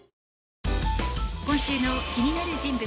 今週の気になる人物